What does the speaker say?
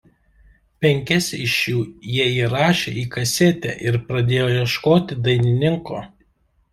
Penkias iš jų jie įrašė į kasetę ir pradėjo ieškoti dainininko.